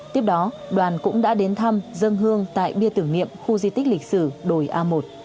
tiếp đó đoàn cũng đã đến thăm dân hương tại bia tưởng niệm khu di tích lịch sử đồi a một